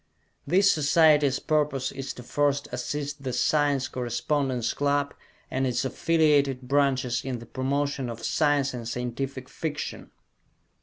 This Society's purpose is to first assist the Science Correspondence Club and its affiliated branches in the promotion of science and Scientific Fiction.